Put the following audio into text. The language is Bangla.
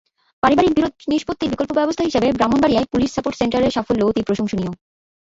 পারিবারিক বিরোধ নিষ্পত্তির বিকল্প ব্যবস্থা হিসেবে ব্রাহ্মণবাড়িয়ার পুলিশ সাপোর্ট সেন্টারের সাফল্য অত্যন্ত প্রশংসনীয়।